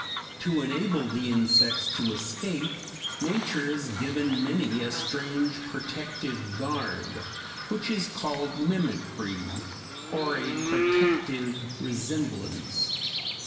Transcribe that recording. To enable the insects to escape, nature has given many a strange protective garb, which is called mimicry or a protective resemblance.